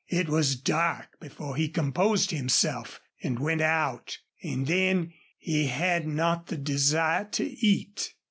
It was dark before he composed himself and went out, and then he had not the desire to eat.